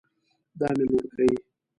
دا مې لورکۍ